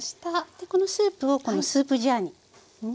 でこのスープをこのスープジャーに入れますね。